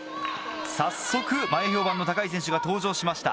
早速前評判の高い選手が登場しました。